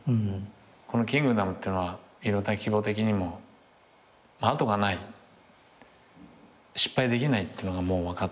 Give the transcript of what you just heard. この『キングダム』っていうのはいろんな規模的にも後がない失敗できないっていうのが分かっていたから。